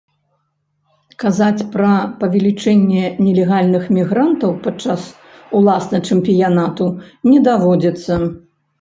Казаць пра павелічэнне нелегальных мігрантаў падчас уласна чэмпіянату не даводзіцца.